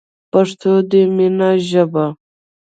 پښتو دی مینی ژبه